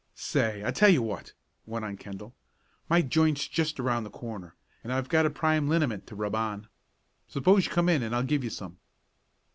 "Say, I tell you what," went on Kendall. "My joint's just around the corner, and I've got a prime liniment to rub on. Suppose you come in and I'll give you some."